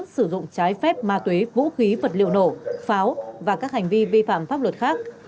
sử dụng trái phép ma túy vũ khí vật liệu nổ pháo và các hành vi vi phạm pháp luật khác